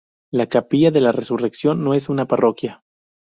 La Capilla de la Resurrección no es una parroquia.